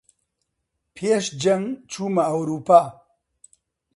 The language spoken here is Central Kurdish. پێش جەنگ چوومە ئەورووپا.